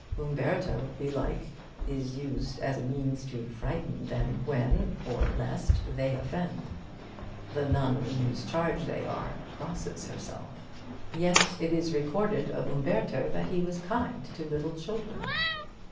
Umberto, belike, is used as a means to frighten them when, or lest, they offend. The nun in whose charge they arc crosses herself. Yet it is recorded of Umberto that he was kind to little children.